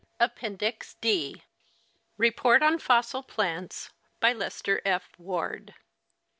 Appendix D. REPORT ON FOSSIL PLANTS. by lester f. ward.